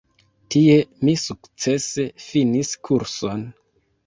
Tie mi sukcese finis kurson.